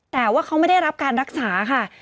แต่ว่าเขาไม่ได้รับการรักษาค่ะ